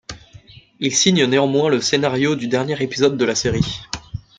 Il signe néanmoins le scénario du dernier épisode de la série.